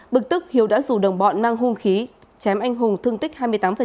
bực tức hiếu đã rủ đồng bọn mang hung khí chém anh hùng thương tích hai mươi tám